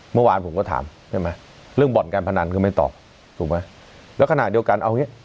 เมื่อวานผมก็ถามเรื่องบ่อนการพนันก็ไม่ตอบถูกไหมแล้วขนาดเดียวกัน